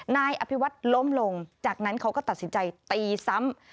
นายอภิวัตรล้มลงจากนั้นเขาก็ตัดสินใจตีซ้ำ